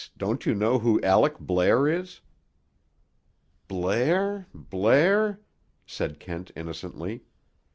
Don't you know who Aleck Blair is?" "Blair? Blair?" said Kent innocently.